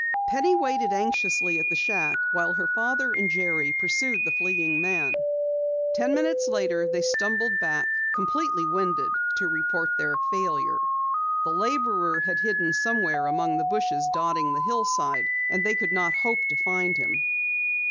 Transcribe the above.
Penny waited anxiously at the shack while her father and Jerry pursued the fleeing man. Ten minutes later they stumbled back, completely winded, to report their failure. The laborer had hidden somewhere among the bushes dotting the hillside, and they could not hope to find him.